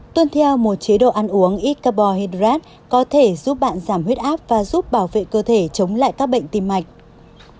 tuyên theo một chế độ ăn uống ít carbohydrates có thể giúp bạn giảm huyết áp và giúp bảo vệ cơ thể chống lại các bệnh tim mạch